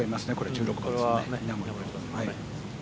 １６番ですね。